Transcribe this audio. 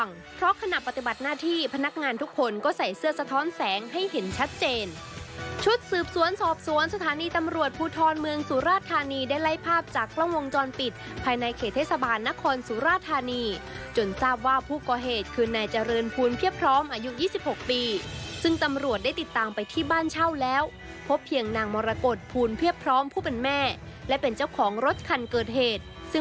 ระวังเพราะขณะปฏิบัติหน้าที่พนักงานทุกคนก็ใส่เสื้อสะท้อนแสงให้เห็นชัดเจนชุดสืบสวนสอบสวนสถานีตำรวจภูทรเมืองสุราธารณีได้ไล่ภาพจากกล้องวงจรปิดภายในเขตเทศบาลนครสุราธารณีจนทราบว่าผู้ก่อเหตุคืนในเจริญพูลเพียบพร้อมอายุ๒๖ปีซึ่งตำรวจได้ติดตามไปที่บ้านเช่